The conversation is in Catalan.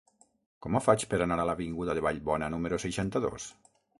Com ho faig per anar a l'avinguda de Vallbona número seixanta-dos?